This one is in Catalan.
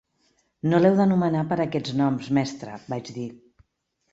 "No l'heu d'anomenar per aquests noms, mestre", vaig dir.